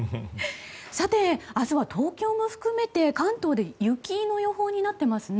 さて、明日は東京も含めて関東で雪の予報になっていますね。